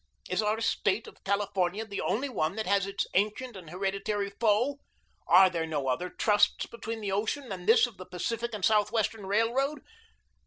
Is our State of California the only one that has its ancient and hereditary foe? Are there no other Trusts between the oceans than this of the Pacific and Southwestern Railroad?